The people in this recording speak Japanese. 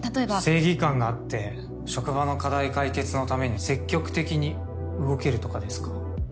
正義感があって職場の課題解決のために積極的に動けるとかですか？